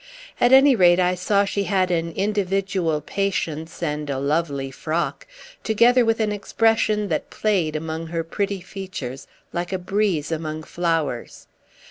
At any rate I saw she had an individual patience and a lovely frock, together with an expression that played among her pretty features like a breeze among flowers.